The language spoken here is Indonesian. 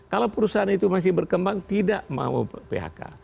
kalau perusahaan itu masih berkembang tidak mau phk